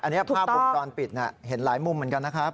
อันนี้ภาพวงจรปิดเห็นหลายมุมเหมือนกันนะครับ